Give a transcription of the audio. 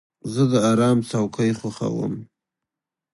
زه د آرام څوکۍ خوښوم.